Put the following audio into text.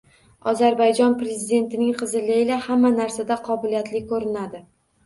Ozarbayjon prezidentining qizi Leyla hamma narsada qobiliyatli ko‘rinadi